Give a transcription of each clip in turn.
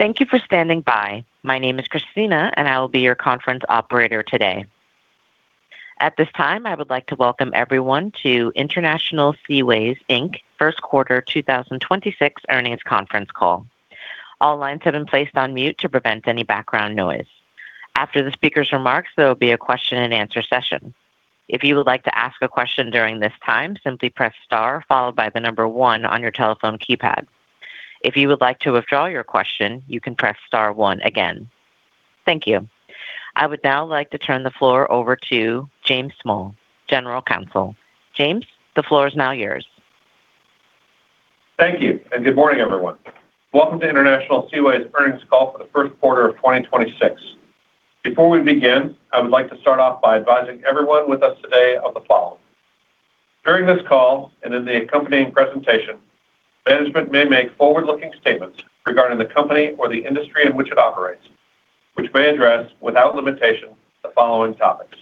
Thank you for standing by. My name is Christina, and I will be your conference operator today. At this time, I would like to welcome everyone to International Seaways, Inc. First Quarter 2026 Earnings Conference Call. All lines have been placed on mute to prevent any background noise. After the speaker's remarks, there will be a question-and-answer session. If you would like to ask a question during this time, simply press star followed by the number 1 on your telephone keypad. If you would like to withdraw your question, you can press star 1 again. Thank you. I would now like to turn the floor over to James Small, General Counsel. James, the floor is now yours. Thank you. Good morning, everyone. Welcome to International Seaways earnings call for the first quarter of 2026. Before we begin, I would like to start off by advising everyone with us today of the following. During this call and in the accompanying presentation, management may make forward-looking statements regarding the company or the industry in which it operates, which may address, without limitation, the following topics,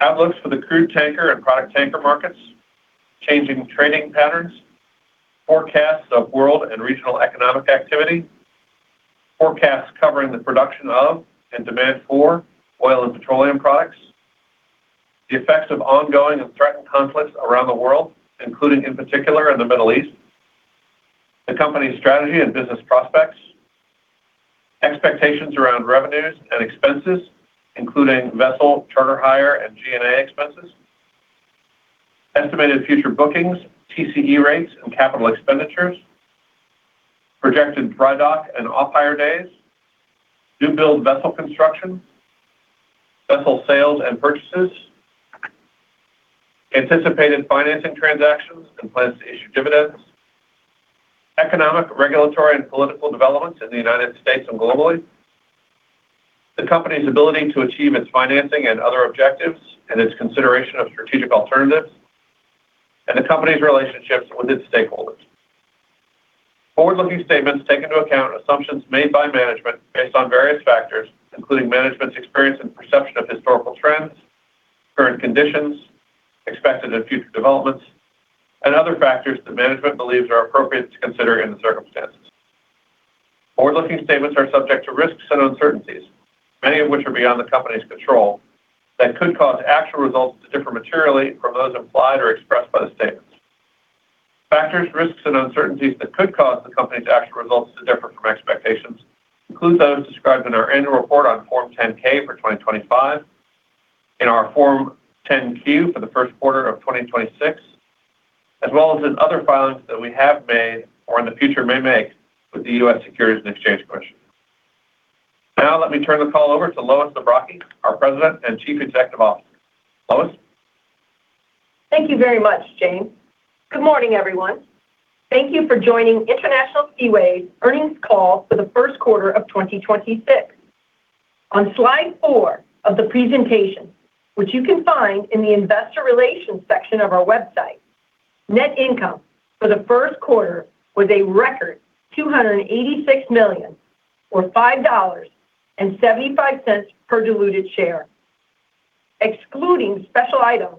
outlooks for the crude tanker and product tanker markets, changing trading patterns, forecasts of world and regional economic activity, forecasts covering the production of and demand for oil and petroleum products, the effects of ongoing and threatened conflicts around the world, including, in particular, in the Middle East, the company's strategy and business prospects, Expectations around revenues and expenses, including vessel, charter hire, and G&A expenses, estimated future bookings, TCE rates, and capital expenditures, projected dry dock and off-hire days, new build vessel construction, vessel sales and purchases, anticipated financing transactions and plans to issue dividends, economic, regulatory, and political developments in the United States and globally, the company's ability to achieve its financing and other objectives and its consideration of strategic alternatives, and the company's relationships with its stakeholders. Forward-looking statements take into account assumptions made by management based on various factors, including management's experience and perception of historical trends, current conditions, expected and future developments, and other factors that management believes are appropriate to consider in the circumstances. Forward-looking statements are subject to risks and uncertainties, many of which are beyond the company's control, that could cause actual results to differ materially from those implied or expressed by the statements. Factors, risks, and uncertainties that could cause the company's actual results to differ from expectations include those described in our annual report on Form 10-K for 2025, in our Form 10-Q for the 1st quarter of 2026, as well as in other filings that we have made or in the future may make with the U.S. Securities and Exchange Commission. Now, let me turn the call over to Lois Zabrocky, our President and Chief Executive Officer. Lois? Thank you very much, James. Good morning, everyone. Thank you for joining International Seaways earnings call for the first quarter of 2026. On slide four of the presentation, which you can find in the investor relations section of our website, net income for the first quarter was a record $286 million or $5.75 per diluted share. Excluding special items,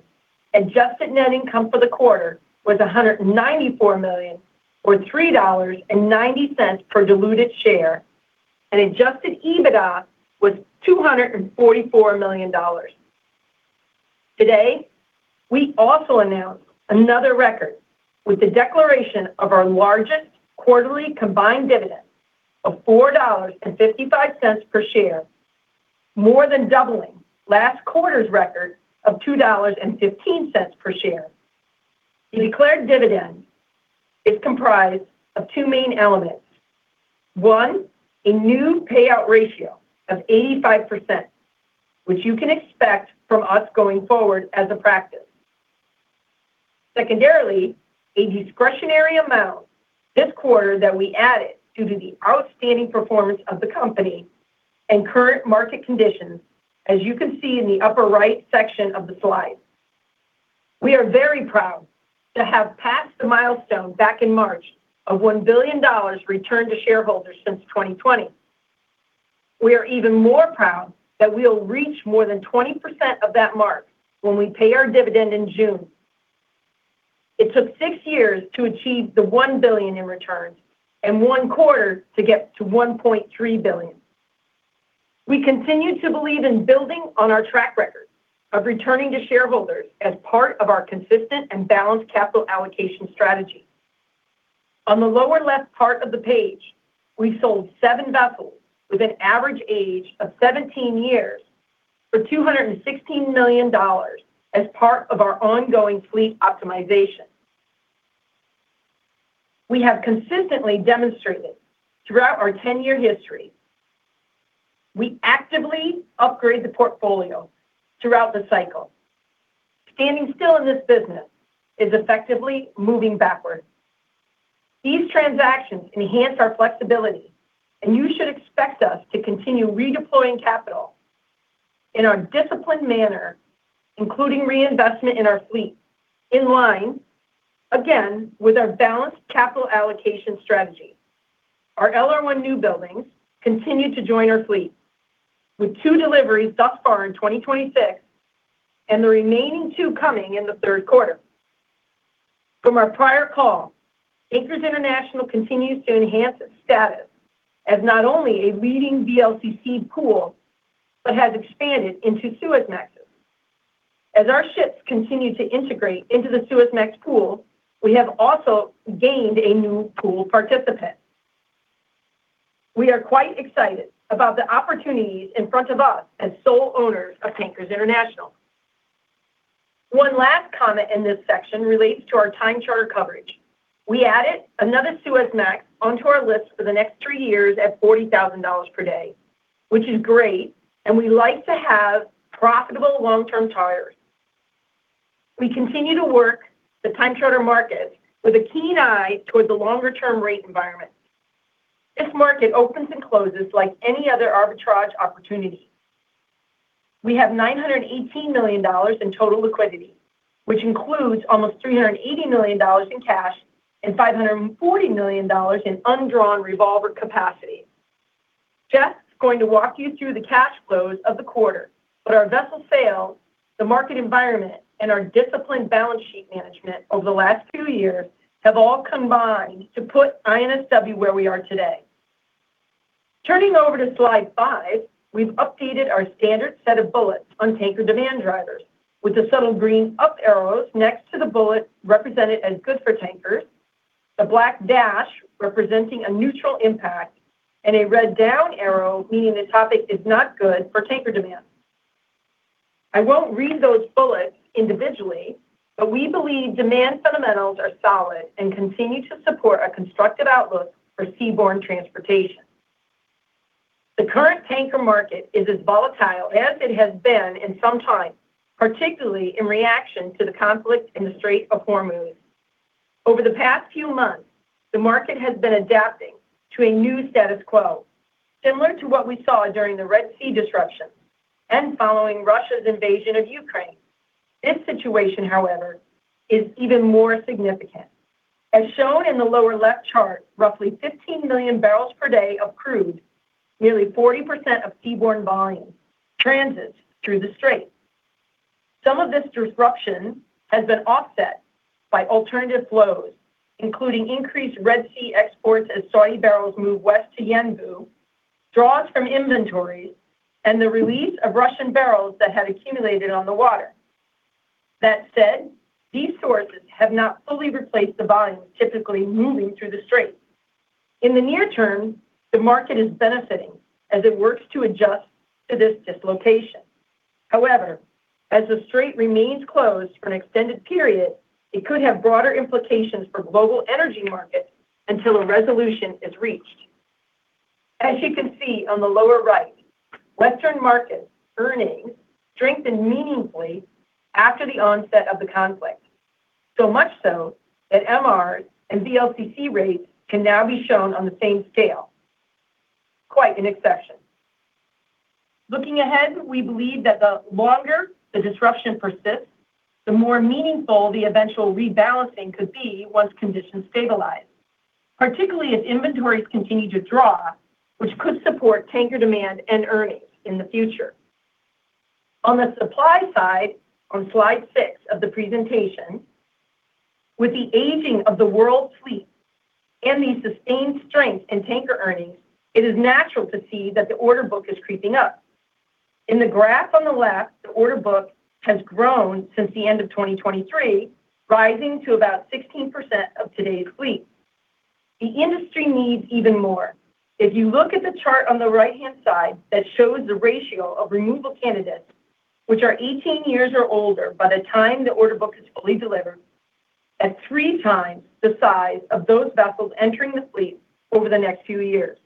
adjusted net income for the quarter was $194 million or $3.90 per diluted share, and Adjusted EBITDA was $244 million. Today, we also announced another record with the declaration of our largest quarterly combined dividend of $4.55 per share, more than doubling last quarter's record of $2.15 per share. The declared dividend is comprised of two main elements. One, a new payout ratio of 85%, which you can expect from us going forward as a practice. Secondarily, a discretionary amount this quarter that we added due to the outstanding performance of the company and current market conditions, as you can see in the upper right section of the slide. We are very proud to have passed the milestone back in March of $1 billion returned to shareholders since 2020. We are even more proud that we will reach more than 20% of that mark when we pay our dividend in June. It took 6 years to achieve the $1 billion in returns and 1 quarter to get to $1.3 billion. We continue to believe in building on our track record of returning to shareholders as part of our consistent and balanced capital allocation strategy. On the lower left part of the page, we sold seven vessels with an average age of 17 years for $216 million as part of our ongoing fleet optimization. We have consistently demonstrated throughout our 10-year history, we actively upgrade the portfolio throughout the cycle. Standing still in this business is effectively moving backward. These transactions enhance our flexibility, and you should expect us to continue redeploying capital in a disciplined manner, including reinvestment in our fleet, in line, again, with our balanced capital allocation strategy. Our LR1 new buildings continue to join our fleet, with two deliveries thus far in 2026 and the remaining two coming in the third quarter. From our prior call, Tankers International continues to enhance its status as not only a leading VLCC pool, but has expanded into Suezmaxes. As our ships continue to integrate into the Suezmax pool, we have also gained a new pool participant. We are quite excited about the opportunities in front of us as sole owners of Tankers International. One last comment in this section relates to our time charter coverage. We added another Suezmax onto our list for the next three years at $40,000 per day, which is great, and we like to have profitable long-term charters. We continue to work the time charter market with a keen eye towards the longer-term rate environment. This market opens and closes like any other arbitrage opportunity. We have $918 million in total liquidity, which includes almost $380 million in cash and $540 million in undrawn revolver capacity. Jeff's going to walk you through the cash flows of the quarter. Our vessel sale, the market environment, and our disciplined balance sheet management over the last two years have all combined to put INSW where we are today. Turning over to slide five, we've updated our standard set of bullets on tanker demand drivers with the subtle green up arrows next to the bullet represented as good for tankers, the black dash representing a neutral impact, and a red down arrow meaning the topic is not good for tanker demand. I won't read those bullets individually, but we believe demand fundamentals are solid and continue to support a constructive outlook for seaborne transportation. The current tanker market is as volatile as it has been in some time, particularly in reaction to the conflict in the Strait of Hormuz. Over the past few months, the market has been adapting to a new status quo, similar to what we saw during the Red Sea disruption and following Russia's invasion of Ukraine. This situation, however, is even more significant. As shown in the lower left chart, roughly 15 million barrels per day of crude, nearly 40% of seaborne volume, transits through the strait. Some of this disruption has been offset by alternative flows, including increased Red Sea exports as Saudi barrels move west to Yanbu, draws from inventories, and the release of Russian barrels that had accumulated on the water. That said, these sources have not fully replaced the volumes typically moving through the strait. In the near term, the market is benefiting as it works to adjust to this dislocation. However, as the strait remains closed for an extended period, it could have broader implications for global energy markets until a resolution is reached. As you can see on the lower right, Western markets' earnings strengthened meaningfully after the onset of the conflict. Much so that MR and VLCC rates can now be shown on the same scale. Quite an exception. Looking ahead, we believe that the longer the disruption persists, the more meaningful the eventual rebalancing could be once conditions stabilize, particularly as inventories continue to draw, which could support tanker demand and earnings in the future. On the supply side, on slide six of the presentation, with the aging of the world fleet and the sustained strength in tanker earnings, it is natural to see that the order book is creeping up. In the graph on the left, the order book has grown since the end of 2023, rising to about 16% of today's fleet. The industry needs even more. If you look at the chart on the right-hand side that shows the ratio of removal candidates, which are 18 years or older by the time the order book is fully delivered, at 3 times the size of those vessels entering the fleet over the next few years.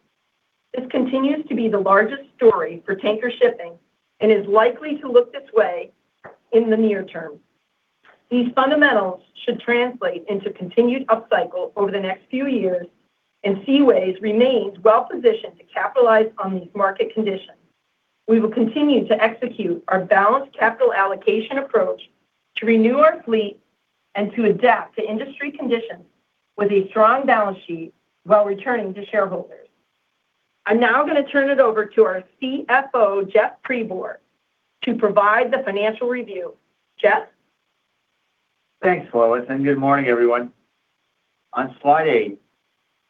This continues to be the largest story for tanker shipping and is likely to look this way in the near term. These fundamentals should translate into continued upcycle over the next few years, and Seaways remains well-positioned to capitalize on these market conditions. We will continue to execute our balanced capital allocation approach to renew our fleet and to adapt to industry conditions with a strong balance sheet while returning to shareholders. I'm now gonna turn it over to our CFO, Jeffrey Pribor, to provide the financial review. Jeff? Thanks, Lois, and good morning, everyone. On slide 8,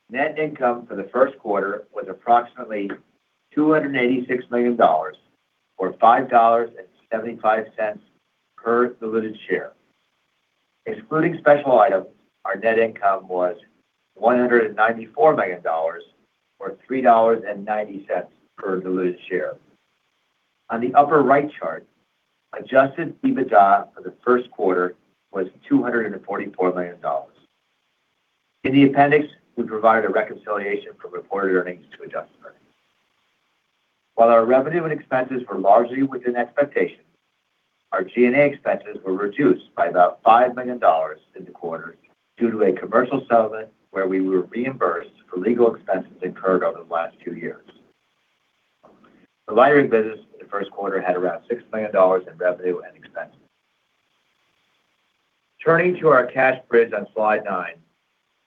net income for the first quarter was approximately $286 million, or $5.75 per diluted share. Excluding special items, our net income was $194 million, or $3.90 per diluted share. On the upper right chart, Adjusted EBITDA for the first quarter was $244 million. In the appendix, we provided a reconciliation from reported earnings to adjusted earnings. While our revenue and expenses were largely within expectations, our G&A expenses were reduced by about $5 million in the quarter due to a commercial settlement where we were reimbursed for legal expenses incurred over the last two years. The lightering business in the first quarter had around $6 million in revenue and expenses. Turning to our cash bridge on slide nine,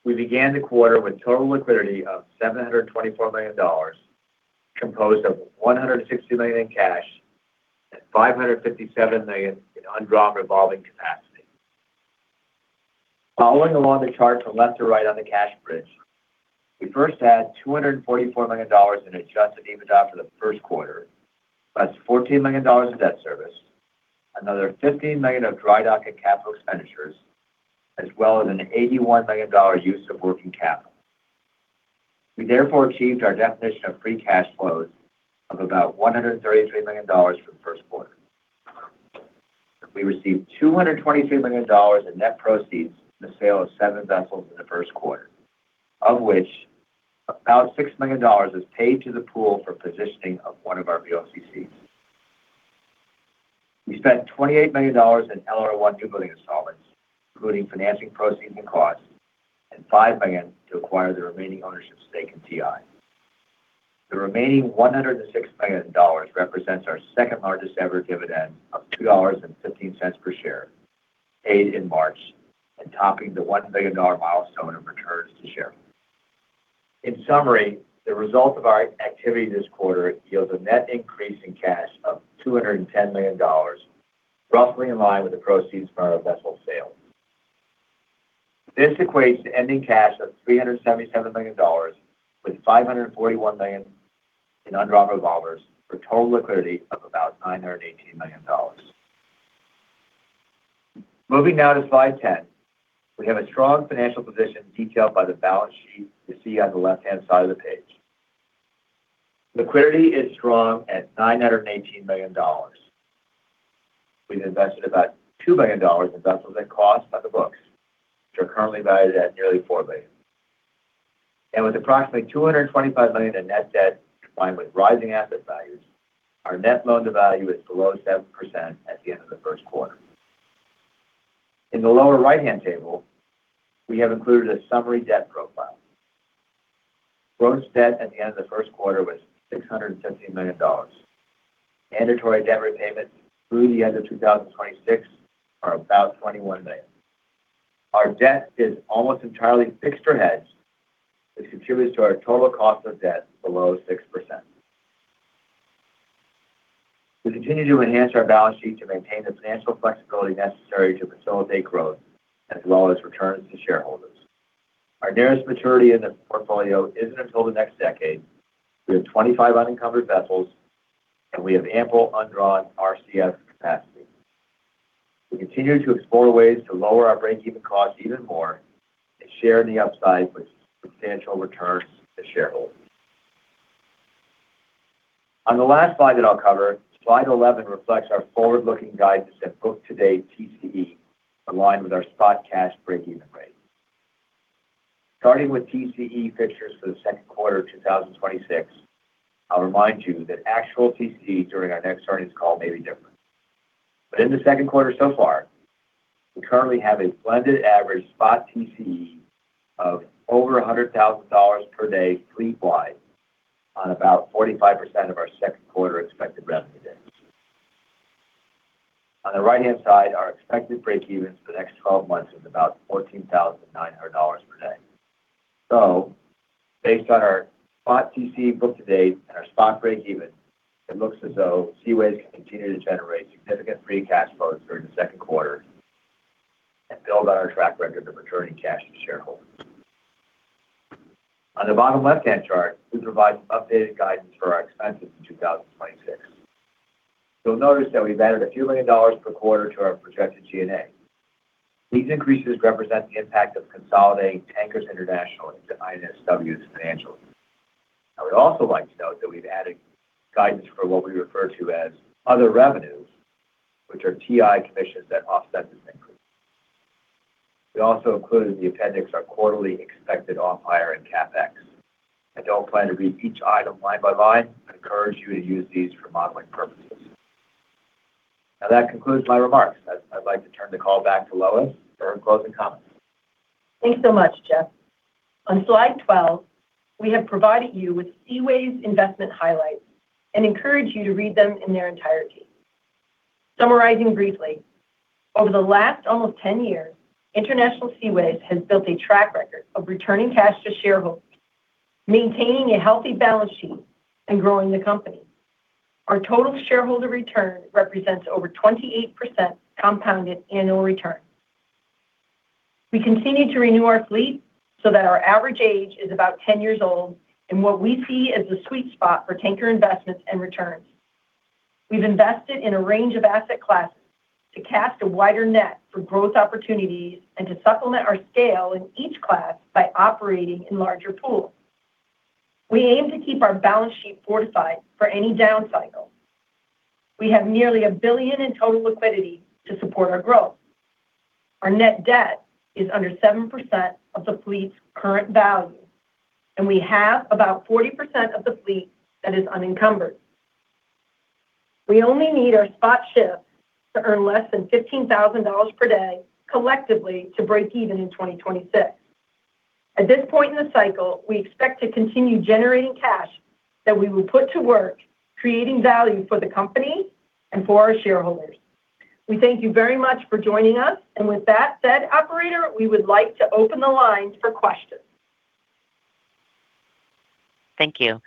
we began the quarter with total liquidity of $724 million, composed of $160 million in cash. $557 million in undrawn revolving capacity. Following along the chart from left to right on the cash bridge, we first add $244 million in Adjusted EBITDA for the first quarter. That's $14 million in debt service, another $15 million of dry dock and capital expenditures, as well as an $81 million use of working capital. We therefore achieved our definition of free cash flows of about $133 million for the first quarter. We received $223 million in net proceeds from the sale of 7 vessels in the first quarter, of which about $6 million was paid to the pool for positioning of one of our VLCCs. We spent $28 million in LR1 newbuilding installments, including financing proceeds and costs, and $5 million to acquire the remaining ownership stake in TI. The remaining $106 million represents our second-largest-ever dividend of $2.15 per share, paid in March and topping the $1 billion milestone in returns to shareholders. In summary, the result of our activity this quarter yields a net increase in cash of $210 million, roughly in line with the proceeds from our vessel sale. This equates to ending cash of $377 million, with $541 million in undrawn revolvers for total liquidity of about $918 million. Moving now to slide 10. We have a strong financial position detailed by the balance sheet you see on the left-hand side of the page. Liquidity is strong at $918 million. We've invested about $2 billion in vessels at cost on the books, which are currently valued at nearly $4 billion. With approximately $225 million in net debt combined with rising asset values, our net loan to value is below 7% at the end of the first quarter. In the lower right-hand table, we have included a summary debt profile. Gross debt at the end of the first quarter was $650 million. Mandatory debt repayments through the end of 2026 are about $21 million. Our debt is almost entirely fixed-rate hedged, which contributes to our total cost of debt below 6%. We continue to enhance our balance sheet to maintain the financial flexibility necessary to facilitate growth as well as returns to shareholders. Our nearest maturity in the portfolio isn't until the next decade with 25 unencumbered vessels, and we have ample undrawn RCF capacity. We continue to explore ways to lower our breakeven costs even more and share the upside with substantial returns to shareholders. On the last slide that I'll cover, slide 11 reflects our forward-looking guidance at book today TCE aligned with our spot cash breakeven rate. Starting with TCE fixtures for the second quarter of 2026, I'll remind you that actual TCE during our next earnings call may be different. In the second quarter so far, we currently have a blended average spot TCE of over $100,000 per day fleet-wide on about 45% of our second quarter expected revenue days. On the right-hand side, our expected breakevens for the next 12 months is about $14,900 per day. Based on our spot TCE book to date and our spot breakeven, it looks as though Seaways can continue to generate significant free cash flows during the second quarter and build on our track record of returning cash to shareholders. On the bottom left-hand chart, we provide updated guidance for our expenses in 2026. You'll notice that we've added a few million dollars per quarter to our projected G&A. These increases represent the impact of consolidating Tankers International into INSW's financials. I would also like to note that we've added guidance for what we refer to as other revenues, which are TI commissions that offset this increase. We also included in the appendix our quarterly expected off-hire and CapEx. I don't plan to read each item line by line. I encourage you to use these for modeling purposes. Now that concludes my remarks. I'd like to turn the call back to Lois for her closing comments. Thanks so much, Jeff. On slide 12, we have provided you with Seaways investment highlights and encourage you to read them in their entirety. Summarizing briefly, over the last almost 10 years, International Seaways has built a track record of returning cash to shareholders, maintaining a healthy balance sheet, and growing the company. Our total shareholder return represents over 28% compounded annual return. We continue to renew our fleet so that our average age is about 10 years old, and what we see is the sweet spot for tanker investments and returns. We've invested in a range of asset classes to cast a wider net for growth opportunities and to supplement our scale in each class by operating in larger pools. We aim to keep our balance sheet fortified for any down cycle. We have nearly $1 billion in total liquidity to support our growth. Our net debt is under 7% of the fleet's current value, and we have about 40% of the fleet that is unencumbered. We only need our spot ships to earn less than $15,000 per day collectively to break even in 2026. At this point in the cycle, we expect to continue generating cash that we will put to work creating value for the company and for our shareholders. We thank you very much for joining us. With that said, operator, we would like to open the lines for questions Thank you. Thank you.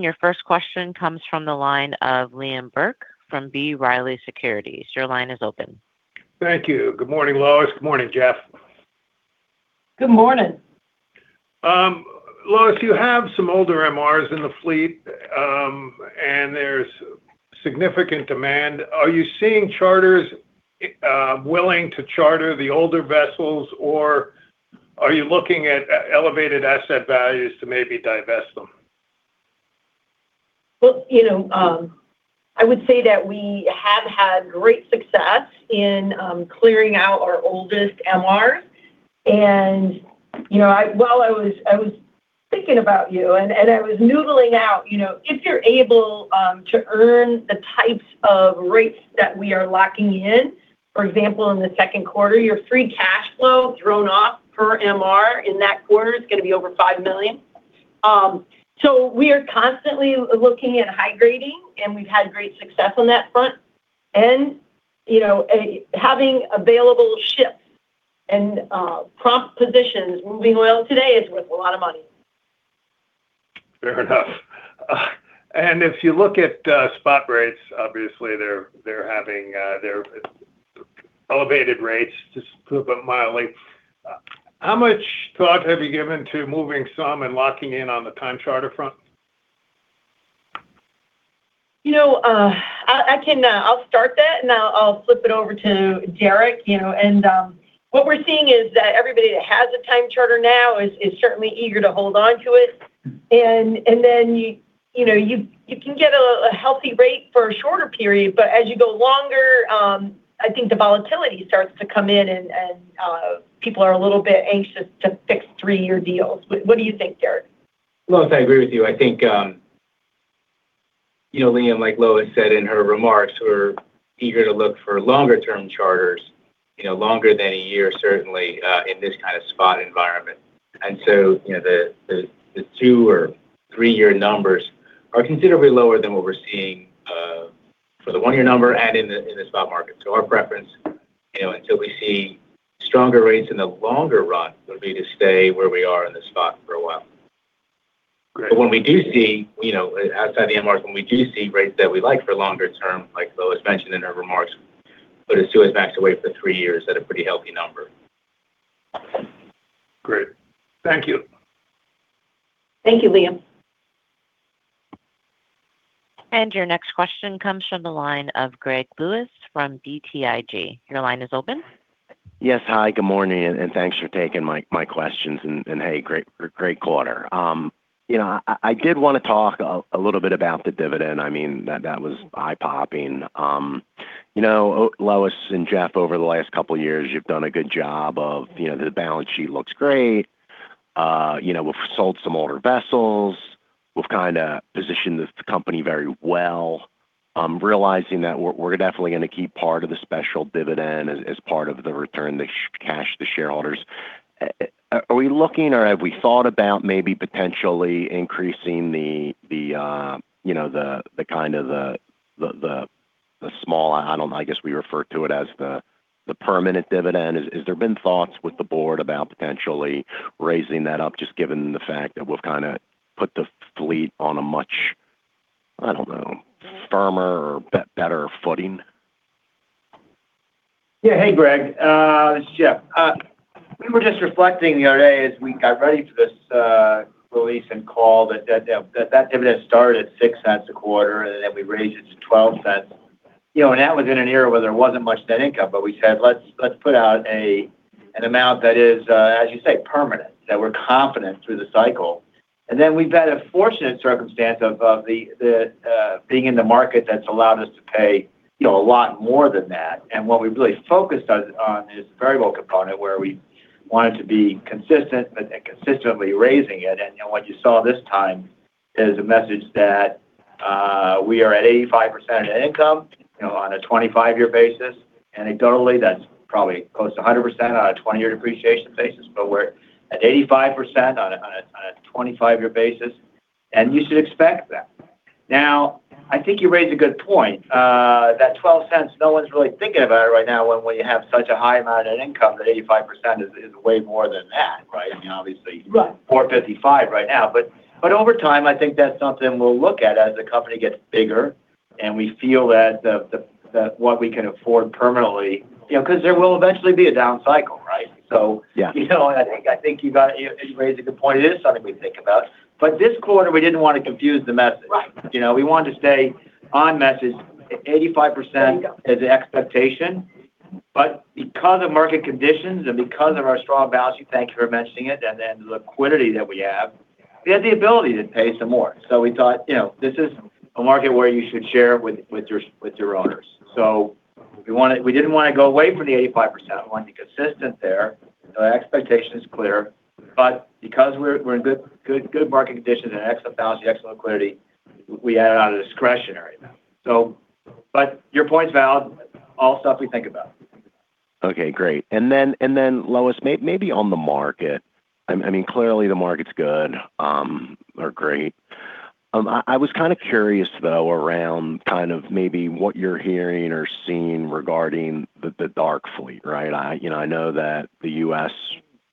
Your first question comes from the line of Liam Burke from B. Riley Securities. Your line is open. Thank you. Good morning, Lois. Good morning, Jeff. Good morning. Lois, you have some older MRs in the fleet, and there's significant demand. Are you seeing charters willing to charter the older vessels or are you looking at elevated asset values to maybe divest them? Well, you know, I would say that we have had great success in clearing out our oldest MR. You know, I was thinking about you and I was noodling out, you know, if you're able to earn the types of rates that we are locking in, for example, in the second quarter, your free cash flow thrown off per MR in that quarter is going to be over $5 million. We are constantly looking at high grading, and we've had great success on that front. You know, having available ships and prompt positions, moving oil today is worth a lot of money. Fair enough. If you look at spot rates, obviously they're having elevated rates, just to put it mildly. How much thought have you given to moving some and locking in on the time charter front? You know, I can, I'll start that and I'll flip it over to Derek, you know. What we're seeing is that everybody that has a time charter now is certainly eager to hold onto it. You know, you can get a healthy rate for a shorter period, but as you go longer, I think the volatility starts to come in and people are a little bit anxious to fix 3-year deals. What do you think, Derek? Lois, I agree with you. I think, you know, Liam, like Lois said in her remarks, we're eager to look for longer-term charters, you know, longer than 1 year certainly, in this kind of spot environment. You know, the, the 2 or 3-year numbers are considerably lower than what we're seeing, for the 1-year number and in the, in the spot market. Our preference, you know, until we see stronger rates in the longer run would be to stay where we are in the spot for a while. Great. When we do see, you know, outside the MRs, when we do see rates that we like for longer term, like Lois mentioned in her remarks, put us 2 Suezmaxes away for 3 years at a pretty healthy number. Great. Thank you. Thank you, Liam. Your next question comes from the line of Gregory Lewis from BTIG. Yes. Hi, good morning, and thanks for taking my questions. Hey, great quarter. You know, I did want to talk a little bit about the dividend. I mean, that was eye-popping. You know, Lois and Jeff, over the last couple years you've done a good job of You know, the balance sheet looks great. You know, we've sold some older vessels. We've kind of positioned the company very well. I'm realizing that we're definitely gonna keep part of the special dividend as part of the return, the cash to shareholders. Are we looking or have we thought about maybe potentially increasing the, you know, the kind of the small, I don't know, I guess we refer to it as the permanent dividend? Has there been thoughts with the board about potentially raising that up just given the fact that we've kind of put the fleet on a much, I don't know, firmer or better footing? Hey, Greg. This is Jeff. We were just reflecting the other day as we got ready for this release and call that dividend started at $0.06 a quarter and then we raised it to $0.12. You know, that was in an era where there wasn't much net income. We said let's put out an amount that is, as you say, permanent, that we're confident through the cycle. We've had a fortunate circumstance of the being in the market that's allowed us to pay, you know, a lot more than that. What we've really focused on is the variable component where we wanted to be consistent and consistently raising it. You know, what you saw this time is a message that we are at 85% of net income, you know, on a 25-year basis. Anecdotally, that's probably close to 100% on a 20-year depreciation basis. We're at 85% on a 25-year basis, and you should expect that. I think you raise a good point. That $0.12, no one's really thinking about it right now when we have such a high amount of net income, that 85% is way more than that, right? Right $455 right now. Over time, I think that's something we'll look at as the company gets bigger and we feel that the what we can afford permanently. You know, 'cause there will eventually be a down cycle, right? Yeah you know, I think you raised a good point. It is something we think about. This quarter we didn't want to confuse the message. Right. You know, we wanted to stay on message. There you go. is the expectation. Because of market conditions and because of our strong balance sheet, thank you for mentioning it, and then the liquidity that we have, we had the ability to pay some more. We thought, you know, this is a market where you should share with your owners. We didn't want to go away from the 85%. We wanted to be consistent there. The expectation is clear. Because we're in good market conditions and excellent balance sheet, excellent liquidity, we added on a discretionary amount. Your point's valid. All stuff we think about. Okay, great. Then Lois, maybe on the market, I mean, clearly the market's good, or great. I was kind of curious though around kind of maybe what you're hearing or seeing regarding the dark fleet, right? You know, I know that the U.S.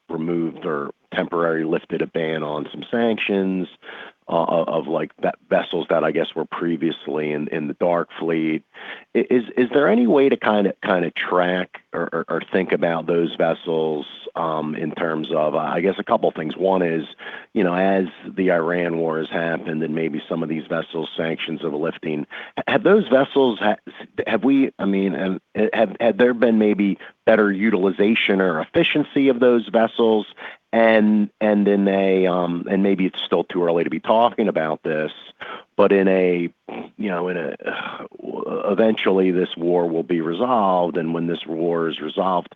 removed or temporary lifted a ban on some sanctions of like that vessels that I guess were previously in the dark fleet. Is there any way to kind of track or think about those vessels in terms of, I guess a couple things. One is, you know, as the Iran war has happened and maybe some of these vessels sanctions are lifting, have those vessels have we I mean, had there been maybe better utilization or efficiency of those vessels? Then they, maybe it's still too early to be talking about this, but you know, eventually this war will be resolved. When this war is resolved,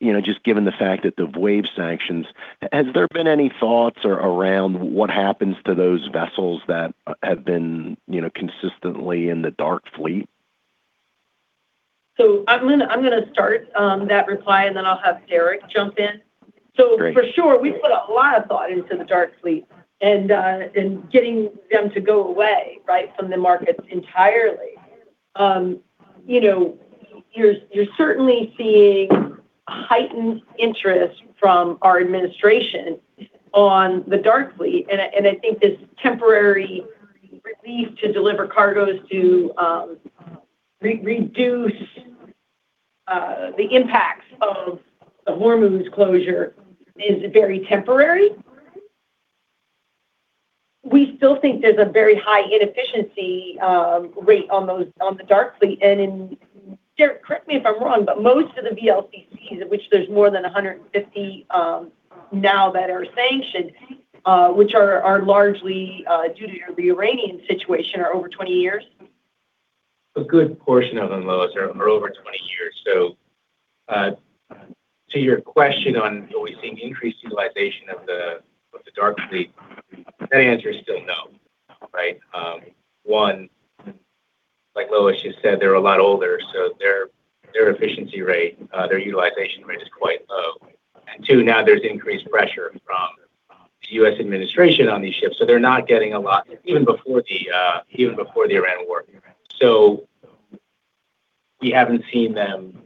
you know, just given the fact that the wave sanctions, has there been any thoughts or around what happens to those vessels that have been, you know, consistently in the dark fleet? I'm gonna start that reply and then I'll have Derek jump in. Great. For sure, we put a lot of thought into the dark fleet and getting them to go away, right, from the markets entirely. You know, you're certainly seeing heightened interest from our administration on the dark fleet. I think this temporary relief to deliver cargoes to reduce the impacts of the Hormuz closure is very temporary. We still think there's a very high inefficiency rate on the dark fleet. Derek, correct me if I'm wrong, most of the VLCCs, of which there's more than 150 now that are sanctioned, which are largely due to the Iranian situation are over 20 years. A good portion of them, Lois, are over 20 years. To your question on are we seeing increased utilization of the dark fleet, that answer is still no, right? 1, like Lois just said, they're a lot older, so their efficiency rate, their utilization rate is quite low. 2, now there's increased pressure from the U.S. administration on these ships, so they're not getting a lot even before the Iran war. We haven't seen them.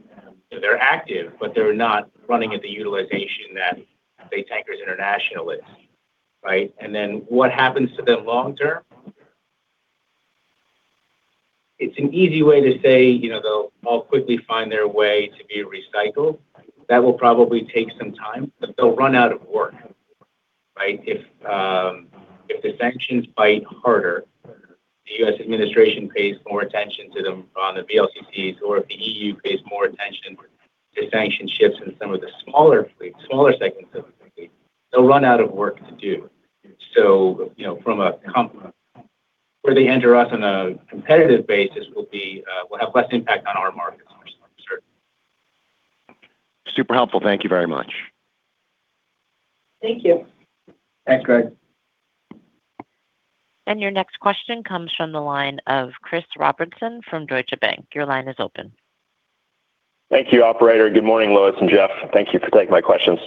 They're active, but they're not running at the utilization that say Tankers International is, right? What happens to them long term, it's an easy way to say, you know, they'll all quickly find their way to be recycled. That will probably take some time, but they'll run out of work, right? If the sanctions bite harder, the U.S. administration pays more attention to them on the VLCCs or if the EU pays more attention to sanction ships in some of the smaller fleets, smaller segments of the fleet, they'll run out of work to do. You know, where they enter us on a competitive basis will be, will have less impact on our markets for certain. Super helpful. Thank you very much. Thank you. Thanks, Greg. Your next question comes from the line of Christopher Robertson from Deutsche Bank. Your line is open. Thank you, operator. Good morning, Lois and Jeff. Thank you for taking my questions.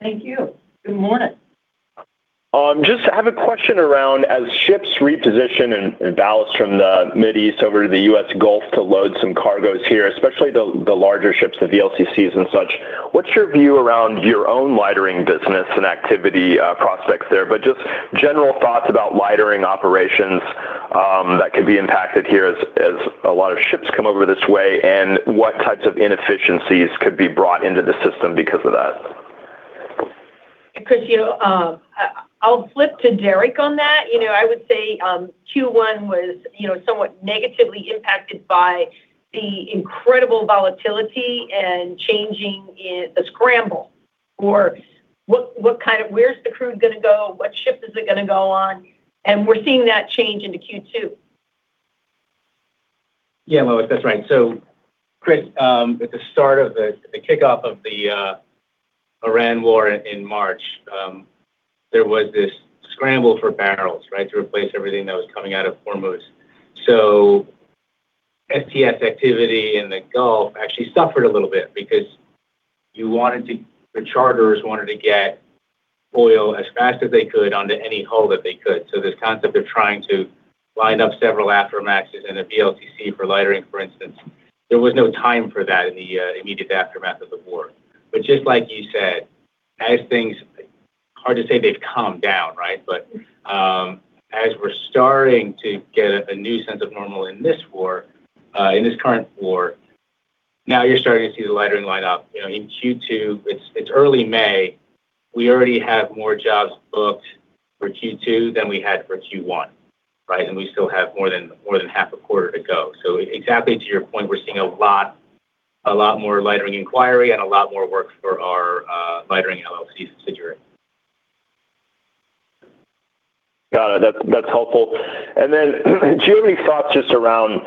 Thank you. Good morning. Just have a question around as ships reposition and ballast from the Mid East over to the U.S. Gulf to load some cargoes here, especially the larger ships, the VLCCs and such, what's your view around your own lightering business and activity, prospects there? Just general thoughts about lightering operations that could be impacted here as a lot of ships come over this way, and what types of inefficiencies could be brought into the system because of that? Chris, you, I'll flip to Derek on that. You know, I would say, Q1 was, you know, somewhat negatively impacted by the incredible volatility and changing in the scramble for what kind of. Where's the crude gonna go? What ship is it gonna go on? We're seeing that change into Q2. Lois, that's right. Chris, at the start of the kickoff of the Iran war in March, there was this scramble for barrels, right? To replace everything that was coming out of Hormuz. STS activity in the Gulf actually suffered a little bit because the charters wanted to get oil as fast as they could onto any hull that they could. This concept of trying to line up several Aframaxes and a VLCC for lightering, for instance, there was no time for that in the immediate aftermath of the war. Just like you said, as things Hard to say they've calmed down, right? As we're starting to get a new sense of normal in this war, in this current war, now you're starting to see the lightering line up. You know, in Q2, it's early May, we already have more jobs booked for Q2 than we had for Q1, right? We still have more than half a quarter to go. Exactly to your point, we're seeing a lot more lightering inquiry and a lot more work for our Lightering LLC subsidiary. Got it. That's, that's helpful. Do you have any thoughts just around,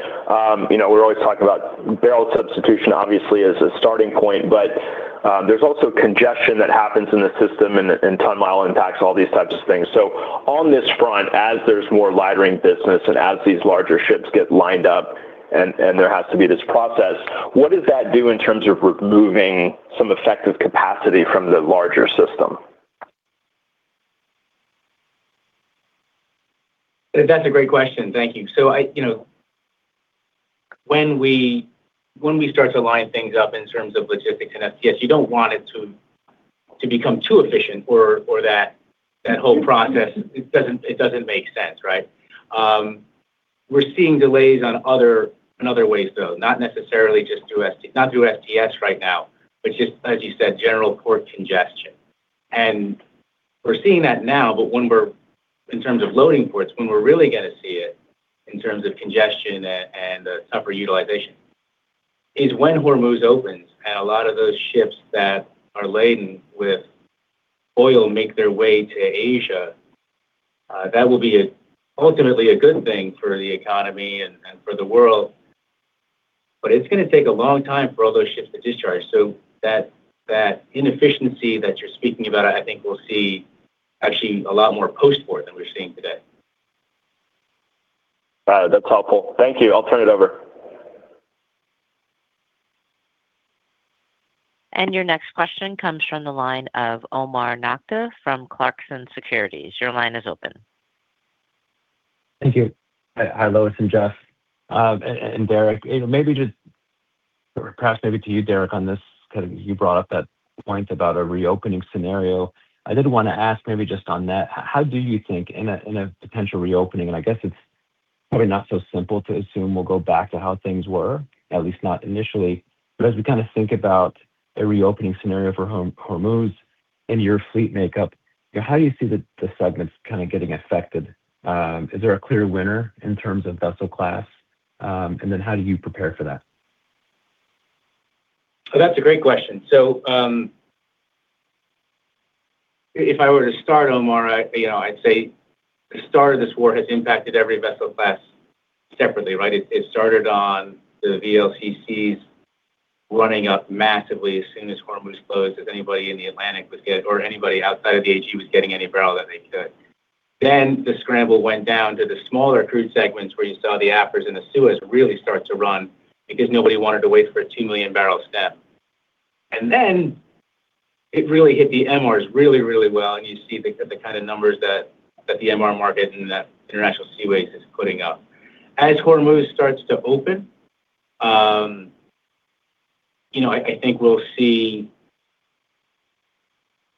you know, we're always talking about barrel substitution obviously as a starting point, but there's also congestion that happens in the system and ton mile impacts, all these types of things. On this front, as there's more lightering business and as these larger ships get lined up and there has to be this process, what does that do in terms of removing some effective capacity from the larger system? That's a great question. Thank you. I, you know, when we start to line things up in terms of logistics and STS, you don't want it to become too efficient or that whole process, it doesn't make sense, right? We're seeing delays on other, in other ways, though, not necessarily just through STS right now, but just as you said, general port congestion. We're seeing that now, but when we're in terms of loading ports, when we're really gonna see it in terms of congestion and upper utilization, is when Hormuz opens, and a lot of those ships that are laden with oil make their way to Asia. That will be ultimately a good thing for the economy and for the world. It's gonna take a long time for all those ships to discharge. That, that inefficiency that you're speaking about, I think we'll see actually a lot more post-port than we're seeing today. All right. That's helpful. Thank you. I'll turn it over. Your next question comes from the line of Omar Nokta from Clarksons Securities. Your line is open. Thank you. Hi, Lois and Jeff, and Derek. You know. You brought up that point about a reopening scenario. I did want to ask maybe just on that, how do you think in a potential reopening, and I guess it's probably not so simple to assume we'll go back to how things were, at least not initially, but as we kind of think about a reopening scenario for Hormuz and your fleet makeup, you know, how do you see the segments kind of getting affected? Is there a clear winner in terms of vessel class? Then how do you prepare for that? That's a great question. If I were to start, Omar, you know, I'd say the start of this war has impacted every vessel class separately, right? It started on the VLCCs running up massively as soon as Hormuz closed, as anybody in the Atlantic was getting or anybody outside of the AG was getting any barrel that they could. The scramble went down to the smaller crude segments where you saw the Afras in the Suez really start to run because nobody wanted to wait for a 2 million-barrel stem. Then it really hit the MRs really well, and you see the kind of numbers that the MR market and that International Seaways is putting up. As Hormuz starts to open, you know, I think we'll see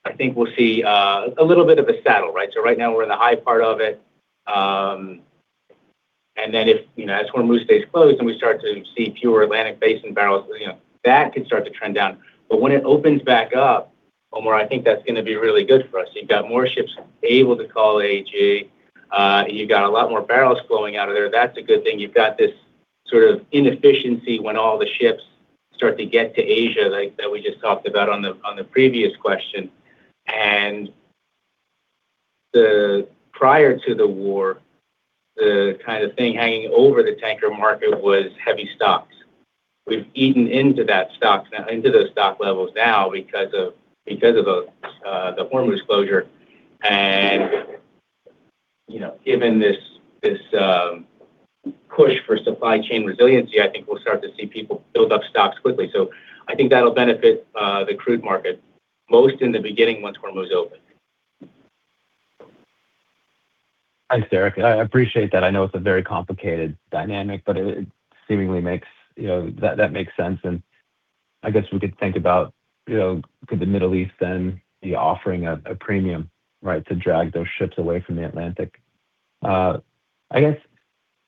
a little bit of a saddle, right? Right now we're in the high part of it, and then if, you know, as Hormuz stays closed and we start to see pure Atlantic-facing barrels, you know, that could start to trend down. When it opens back up, Omar, I think that's gonna be really good for us. You've got more ships able to call AG. You got a lot more barrels flowing out of there. That's a good thing. You've got this sort of inefficiency when all the ships start to get to Asia, like, that we just talked about on the previous question. Prior to the war, the kind of thing hanging over the tanker market was heavy stocks. We've eaten into those stock levels now because of the Hormuz closure. You know, given this push for supply chain resiliency, I think we'll start to see people build up stocks quickly. I think that'll benefit the crude market most in the beginning once Hormuz opens. Thanks, Derek. I appreciate that. I know it's a very complicated dynamic, but it seemingly makes, you know, that makes sense. I guess we could think about, you know, could the Middle East then be offering a premium, right, to drag those ships away from the Atlantic? I guess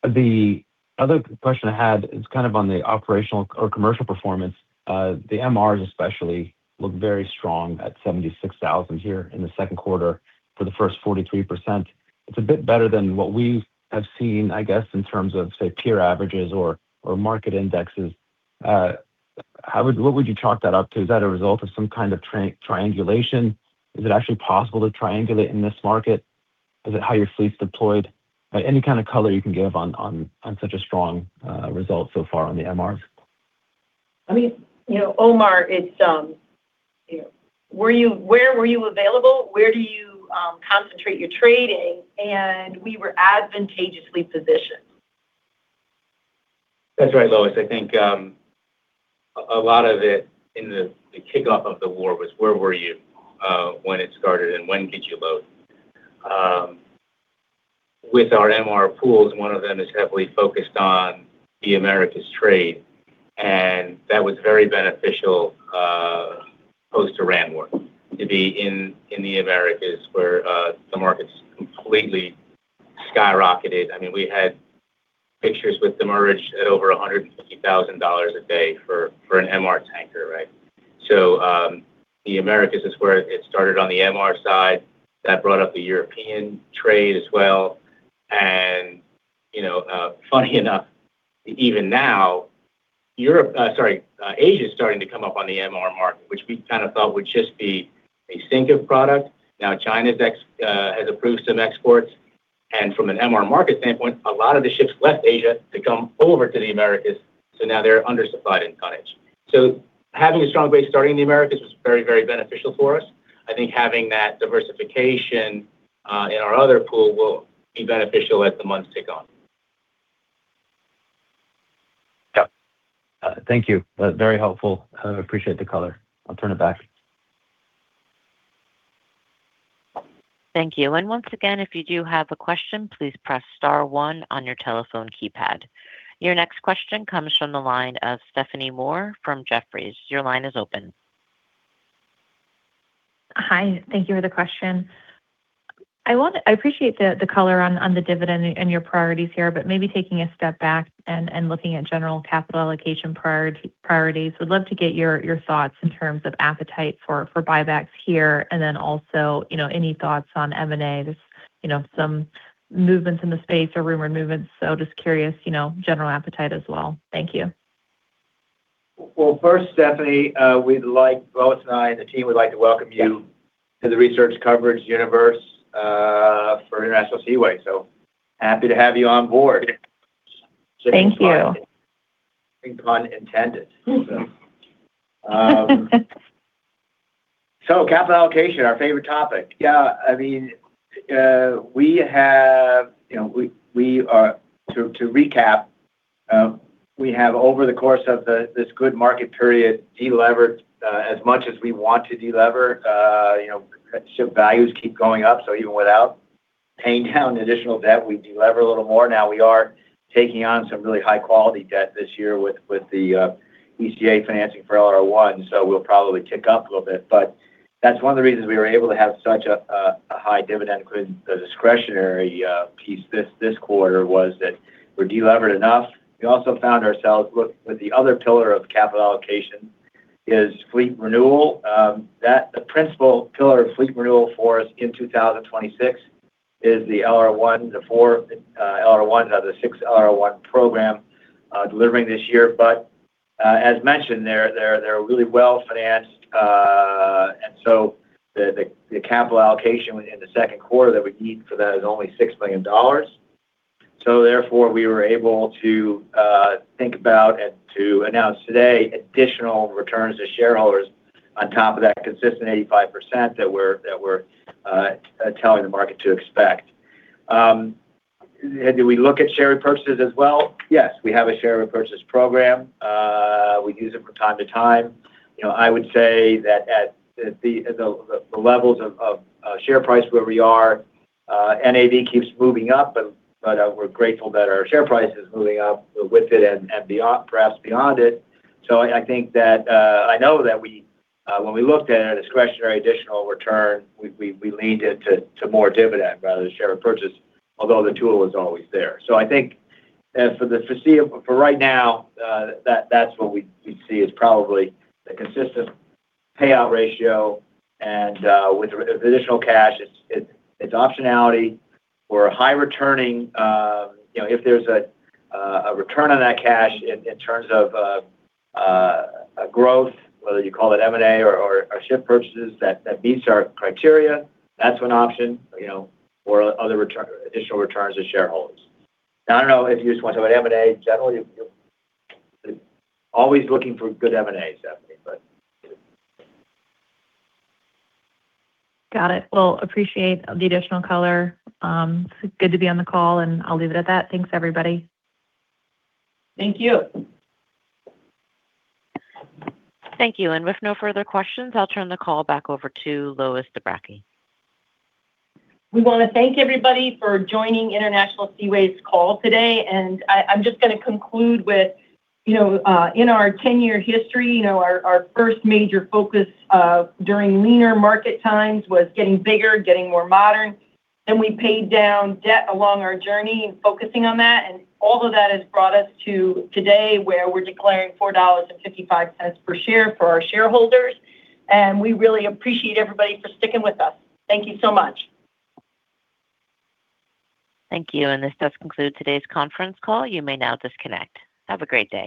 the other question I had is kind of on the operational or commercial performance. The MRs especially look very strong at $76,000 here in the second quarter for the first 43%. It's a bit better than what we have seen, I guess, in terms of, say, peer averages or market indexes. What would you chalk that up to? Is that a result of some kind of triangulation? Is it actually possible to triangulate in this market? Is it how your fleet's deployed? Any kind of color you can give on such a strong result so far on the MRs? I mean, you know, Omar, it's, you know, where were you available? Where do you concentrate your trading? We were advantageously positioned. That's right, Lois. I think a lot of it in the kickoff of the war was where were you when it started, and when did you load? With our MR pools, one of them is heavily focused on the Americas trade, and that was very beneficial post-Iran war, to be in the Americas where the markets completely skyrocketed. I mean, we had fixtures with demurrage at over $150,000 a day for an MR tanker, right? The Americas is where it started on the MR side. That brought up the European trade as well. You know, funny enough, even now, Asia is starting to come up on the MR market, which we kind of thought would just be a sink of product. Now China's has approved some exports, and from an MR market standpoint, a lot of the ships left Asia to come over to the Americas, so now they're undersupplied in tonnage. Having a strong base starting in the Americas was very, very beneficial for us. I think having that diversification in our other pool will be beneficial as the months tick on. Thank you. Very helpful. I appreciate the color. I'll turn it back. Thank you. Once again, if you do have a question, please press star one on your telephone keypad. Your next question comes from the line of Stephanie Moore from Jefferies. Your line is open. Hi, thank you for the question. I appreciate the color on the dividend and your priorities here. Maybe taking a step back and looking at general capital allocation priorities, would love to get your thoughts in terms of appetite for buybacks here. Also, you know, any thoughts on M&A. There's, you know, some movements in the space or rumored movements. Just curious, you know, general appetite as well. Thank you. Well, first, Stephanie, Lois and I and the team would like to welcome you. Yeah to the research coverage universe, for International Seaways. Happy to have you on board. Thank you. No pun intended. Capital allocation, our favorite topic. I mean, you know, to recap, we have over the course of this good market period delevered as much as we want to delever. You know, ship values keep going up, even without paying down additional debt, we delever a little more. We are taking on some really high quality debt this year with the ECA financing for LR1, we'll probably tick up a little bit. That's one of the reasons we were able to have such a high dividend, including the discretionary piece this quarter was that we're delevered enough. We also found ourselves with the other pillar of capital allocation is fleet renewal. That the principal pillar of fleet renewal for us in 2026 is the LR1, the 4 LR1, the 6 LR1 program, delivering this year. As mentioned, they're really well-financed. The capital allocation in the second quarter that we need for that is only $6 million. Therefore, we were able to think about and to announce today additional returns to shareholders on top of that consistent 85% that we're telling the market to expect. Do we look at share repurchases as well? Yes, we have a share repurchase program. We use it from time to time. You know, I would say that at the levels of share price where we are, NAV keeps moving up, but we're grateful that our share price is moving up with it and beyond, perhaps beyond it. I think that I know that we when we looked at a discretionary additional return, we leaned into more dividend rather than share repurchase, although the tool is always there. I think for right now, that's what we see is probably the consistent payout ratio. With the additional cash, it's optionality for a high returning. you know, if there's a return on that cash in terms of a growth, whether you call it M&A or ship purchases that meets our criteria, that's one option, you know, or other return, additional returns to shareholders. I don't know if you just want to talk about M&A. Generally, you're always looking for good M&A, Stephanie, but. Got it. Well, appreciate the additional color. Good to be on the call, and I'll leave it at that. Thanks, everybody. Thank you. Thank you. With no further questions, I'll turn the call back over to Lois Zabrocky. We wanna thank everybody for joining International Seaways call today. I'm just gonna conclude with, you know, in our 10-year history, you know, our first major focus during leaner market times was getting bigger, getting more modern. We paid down debt along our journey and focusing on that. All of that has brought us to today where we're declaring $4.55 per share for our shareholders. We really appreciate everybody for sticking with us. Thank you so much. Thank you. This does conclude today's conference call. You may now disconnect. Have a great day.